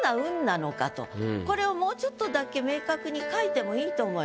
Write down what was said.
これをもうちょっとだけ明確に書いてもいいと思います。